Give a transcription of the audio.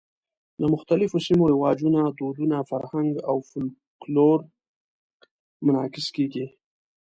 د مختلفو سیمو رواجونه، دودونه، فرهنګ او فولکلور منعکس کېږي.